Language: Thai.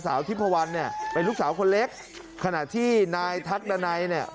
ทิพวันเนี่ยเป็นลูกสาวคนเล็กขณะที่นายทักดันัยเนี่ย